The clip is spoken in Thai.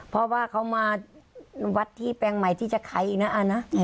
เพราะว่าเขามาวัดที่แปลงใหม่ที่จะขายอีกนะอานะ